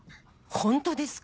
ホントですか？